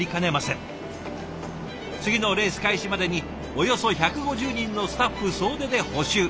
次のレース開始までにおよそ１５０人のスタッフ総出で補修。